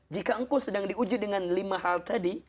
jika engkau sedang diuji dengan lima hal tadi